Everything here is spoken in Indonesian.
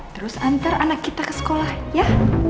terus antar anak kita ke sekolah ya